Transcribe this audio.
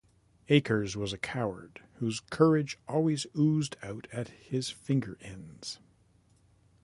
Acres was a coward, whose "courage always oozed out at his finger ends".